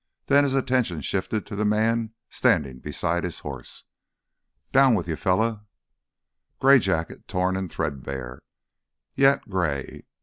Then his attention shifted to the man standing beside his horse. "Down with you, fella." Gray jacket, torn and threadbare—yet gray.